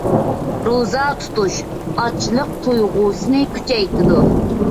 روزا تۇتۇش ئاچلىق تۇيغۇسىنى كۈچەيتىدۇ.